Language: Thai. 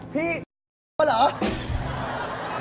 พี่ป้าหญิงหวัดหรือ